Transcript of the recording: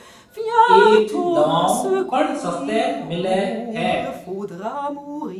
ايٿ دوائون پڻ سستيَ مليَ ھيََََ